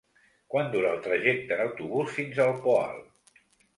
Quant dura el trajecte en autobús fins al Poal?